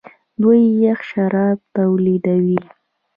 دوی یخ شراب تولیدوي.